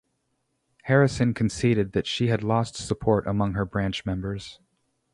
Harrison conceded that she had lost support among her branch members.